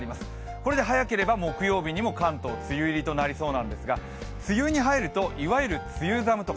これで早ければ木曜日にも関東、梅雨入りとなりそうですが梅雨に入ると、いわゆる梅雨寒と。